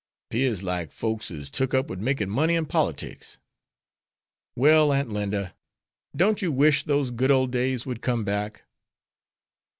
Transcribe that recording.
'Pears like folks is took up wid makin' money an' politics." "Well, Aunt Linda, don't you wish those good old days would come back?"